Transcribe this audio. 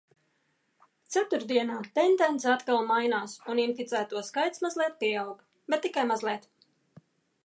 Ceturtdienā tendence atkal mainās un inficēto skaits mazliet pieaug. Bet tikai mazliet.